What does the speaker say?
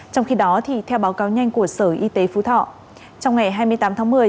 trong khi đó theo báo cáo nhanh của sở y tế phú thọ trong ngày hai mươi tám tháng một mươi